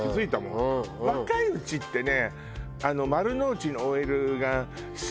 若いうちってね。